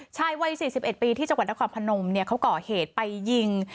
ชายวัย๔๑ปีที่จังหวัดนครพนมเขาก่อเหตุไปยิง